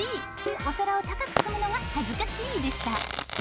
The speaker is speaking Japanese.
「お皿を高く積むのが恥ずかしい」でした。